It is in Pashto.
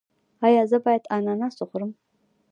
ایا زه باید اناناس وخورم؟